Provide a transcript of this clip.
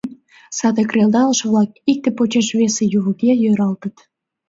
Саде кредалше-влак икте почеш весе ювыге йӧралтыт.